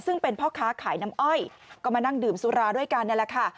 ซึ่งเป็นพ่อค้าขายน้ำอ้อยก็มานั่งดื่มสุราด้วยกันนี่แหละค่ะ